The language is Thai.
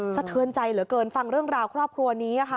สะเทือนใจเหลือเกินฟังเรื่องราวครอบครัวนี้ค่ะ